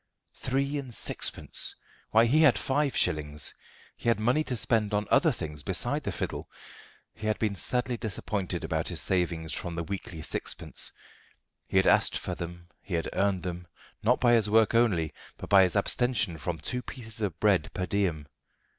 Three and sixpence! Why, he had five shillings. He had money to spend on other things beside the fiddle. He had been sadly disappointed about his savings from the weekly sixpence. He had asked for them; he had earned them, not by his work only, but by his abstention from two pieces of bread per diem.